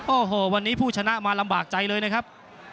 โอ้โหวันนี้ผู้ชนะมาลำบากใจเลยนะครับ